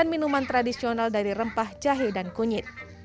ia juga memberikan asupan makanan yang mengandungnya